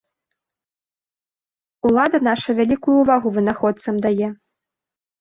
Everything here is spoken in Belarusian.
Улада наша вялікую ўвагу вынаходцам дае.